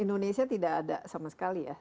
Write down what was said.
indonesia tidak ada sama sekali ya